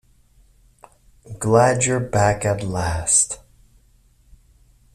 Glad you're back at last.